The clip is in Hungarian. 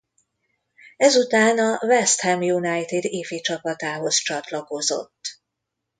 Ezután a West Ham United ificsapatához csatlakozott.